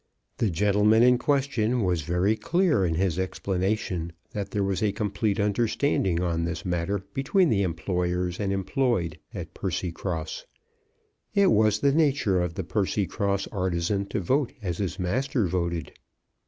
The gentleman in question was very clear in his explanation that there was a complete understanding on this matter between the employers and employed at Percycross. It was the nature of the Percycross artizan to vote as his master voted.